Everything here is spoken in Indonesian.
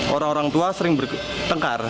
orang orang tua sering bertengkar